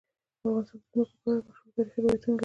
افغانستان د ځمکه په اړه مشهور تاریخی روایتونه لري.